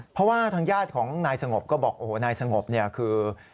เพราะว่าทางญาติของนายสงบก็บอกนายสงบคือ